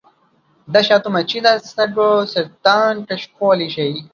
د شاتو مچۍ د سږو سرطان کشفولی شي.